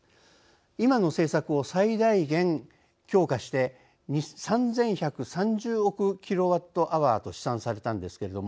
今の政策を最大限強化して３１３０億ｋＷｈと試算されたんですけれども